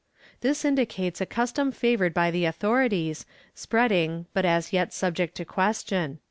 ^ This indicates a custom favored by the authorities, spreading, but as yet subject to question.